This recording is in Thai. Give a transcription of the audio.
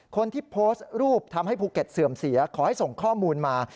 คนที่โพสต์รูปทำให้ภูเก็ตเสื่อมเสียขอให้ส่งข้อมูลมา